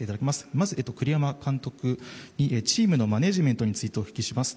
まず栗山監督にチームのマネージメントについてお聞きします。